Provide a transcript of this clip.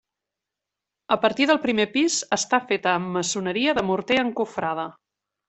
A partir del primer pis està feta amb maçoneria de morter encofrada.